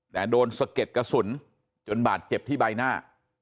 แต่โดนสะเก็ดกระสุนจนบาดเจ็บที่ใบหน้า